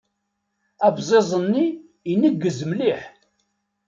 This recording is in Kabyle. Abẓiẓ-nni ineggez mliḥ.